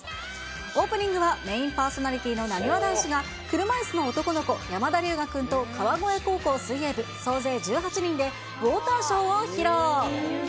オープニングはメインパーソナリティーのなにわ男子が車いすの男の子、山田りゅうが君と川越高校水泳部総勢１８人でウォーターショーを披露。